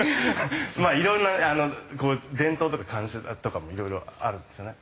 いろんな伝統とか慣習とかもいろいろあるんですよね。